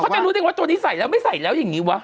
จะรู้ได้ว่าตัวนี้ใส่แล้วไม่ใส่แล้วอย่างนี้วะ